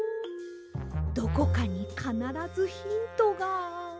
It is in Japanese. どこかにかならずヒントが。